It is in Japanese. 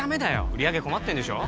売り上げ困ってんでしょ？